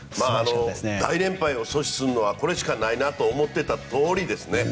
大連敗を阻止するのはこれしかないなと思ってたとおりですね。